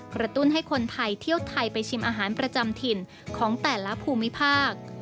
ตุ้นให้คนไทยเที่ยวไทยไปชิมอาหารประจำถิ่นของแต่ละภูมิภาค